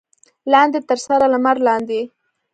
لاندې تر سره لمر لاندې.